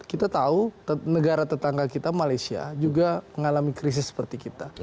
kita tahu negara tetangga kita malaysia juga mengalami krisis seperti kita